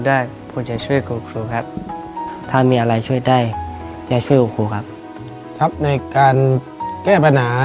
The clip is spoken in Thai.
ในแคมเปญพิเศษเกมต่อชีวิตโรงเรียนของหนู